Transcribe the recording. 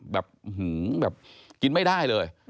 แบบหื้อแบบกินไม่ได้เลย